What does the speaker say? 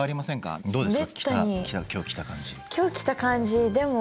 そうですか。